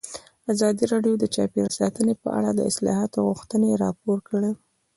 ازادي راډیو د چاپیریال ساتنه په اړه د اصلاحاتو غوښتنې راپور کړې.